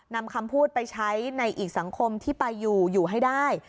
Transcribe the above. นำคำพูดไปใช้ในอีกสังคมที่ไปอยู่อยู่ให้ได้